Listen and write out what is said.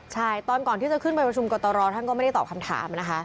ใช่ตอนก่อนที่จะขึ้นไปประชุมกรตรท่านก็ไม่ได้ตอบคำถามนะคะ